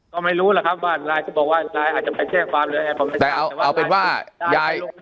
ก็ไม่รู้หรอกครับว่ารายจะบอกว่ารายอาจจะไปเชี่ยงความเหลือแห่งความเหลือแห่งความเหลือ